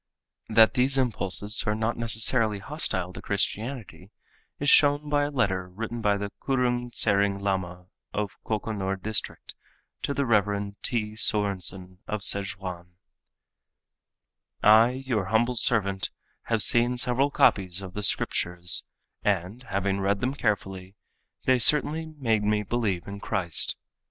That these impulses are not necessarily hostile to Christianity is shown by a letter written by the Kurung Tsering Lama of Kokonor district to the Rev. T. Sörensen of Szechuan: "I, your humble servant, have seen several copies of the Scriptures and, having read them carefully, they certainly made me believe in Christ.